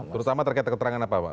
terus sama terkait keterangan apa pak